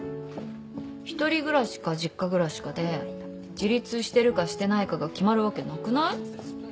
１人暮らしか実家暮らしかで自立してるかしてないかが決まるわけなくない？